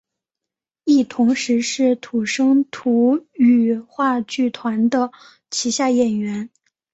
亦同时是土生土语话剧团的旗下演员。